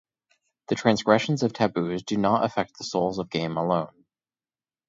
The transgressions of taboos do not affect the souls of game alone.